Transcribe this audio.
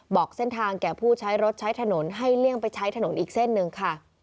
บอกเส้นทางแก่ผู้ใช้รถใช้ถนนให้เลี่ยงไปใช้ถนนอีกเส้นหนึ่งค่ะ